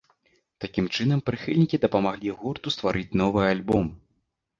Такім чынам прыхільнікі дапамаглі гурту стварыць новы альбом.